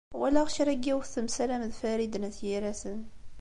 Walaɣ kra n yiwet temsalam d Farid n At Yiraten.